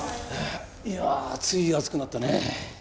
いやあつい熱くなったね。